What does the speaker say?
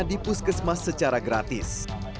di puskesmas secara gratis